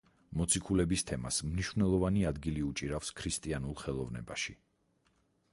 მოციქულების თემას მნიშვნელოვანი ადგილი უჭირავს ქრისტიანულ ხელოვნებაში.